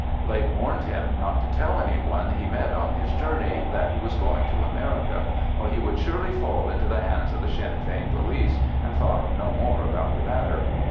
Blake warned him not to tell any one he met on his journey that he was going to America, or he would surely fall into the hands of the Sinn Fein police, and thought no more about the matter.